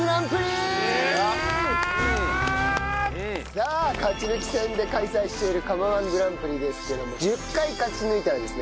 さあ勝ち抜き戦で開催している釜−１グランプリですけども１０回勝ち抜いたらですね